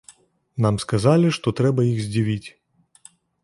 Нам сказалі, што трэба іх здзівіць.